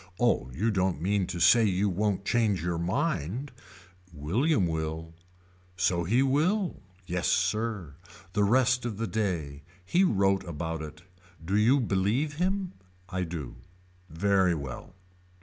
Oh you don't mean to say you won't change your mind. William will. So he will. Yes sir. The rest of the day. He wrote about it. Do you believe him. I do. Very well.